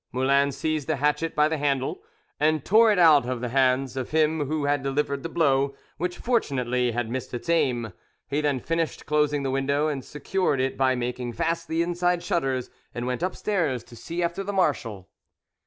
Moulin seized the hatchet by the handle and tore it out of the hands of him who had delivered the blow, which fortunately had missed its aim. He then finished closing the window, and secured it by making fast the inside shutters, and went upstairs to see after the marshal.